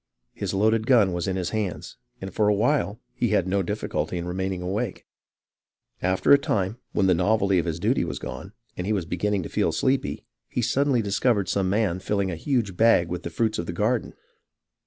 His loaded gun was in his hands, and for a while he had no difficulty in remaining awake. After a time, when the novelty of his duty was gone, and he was beginning to feel sleepy, he suddenly discovered some man filling a huge bag with the fruits of the garden.